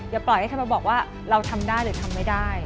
ปล่อยให้ใครมาบอกว่าเราทำได้หรือทำไม่ได้